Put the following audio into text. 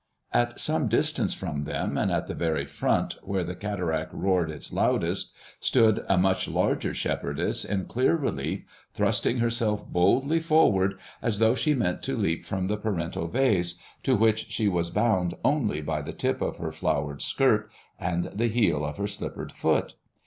At some distance from them, and at the very front, where the cataract roared its loudest, stood a much larger shepherdess in clear relief, thrusting herself boldly forward as though she meant to leap from the parental vase, to which she was bound only by the tip of her flowered skirt and the heel of her slippered foot.